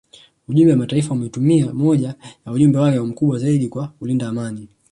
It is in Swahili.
Umoja wa Mataifa umetuma moja ya ujumbe wake mkubwa zaidi wa kulinda amani